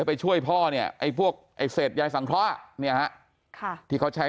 ไปช่วยพ่อเนี่ยไอ้พวกไอ้เศษยายสังเคราะห์เนี่ยฮะที่เขาใช้